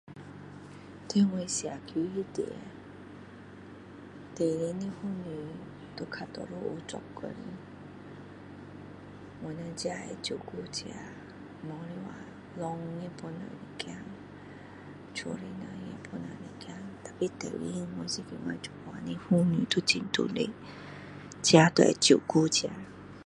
在我的社区里面里面的妇女都比较多有做工的我们自己会照顾自己老公也会帮忙一点家里的东西也会帮忙一点 tapi 现在的妇女都很独立自己都会照顾自己